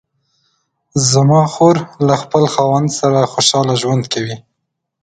زما خور له خپل خاوند سره خوشحاله ژوند کوي